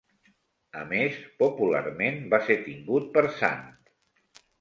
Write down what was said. A més, popularment va ser tingut per sant.